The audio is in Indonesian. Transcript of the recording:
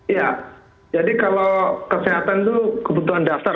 ya jadi kalau kesehatan itu kebutuhan dasar